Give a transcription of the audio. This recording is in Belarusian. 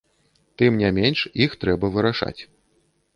Тым не менш іх трэба вырашаць.